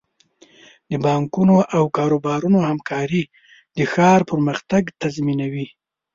د بانکونو او کاروبارونو همکاري د ښار پرمختګ تضمینوي.